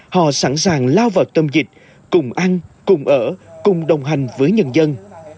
họ sẵn sàng lao vào tâm dịch cùng ăn cùng ở cùng đồng hành với nhân dân